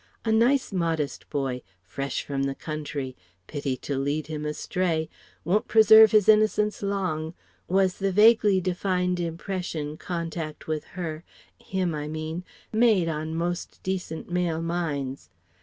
"A nice modest boy, fresh from the country pity to lead him astray won't preserve his innocence long " was the vaguely defined impression, contact with her him, I mean made on most decent male minds.